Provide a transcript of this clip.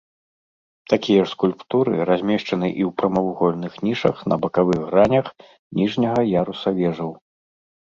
Такія ж скульптуры размешчаны і ў прамавугольных нішах на бакавых гранях ніжняга яруса вежаў.